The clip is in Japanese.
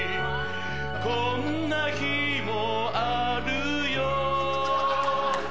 こんな日もあるよ